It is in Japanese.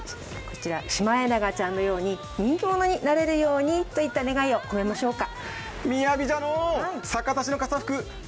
シマエナガちゃんのように人気者になれるようにという願いを込めましょうか。